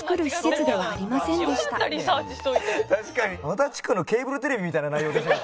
足立区のケーブルテレビみたいな内容でしたね。